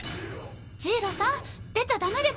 ジイロさん出ちゃダメですよ。